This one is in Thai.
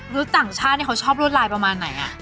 ต่างชาติเขาชอบรวดลายประมาณไหน